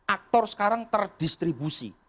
aktor sekarang terdistribusi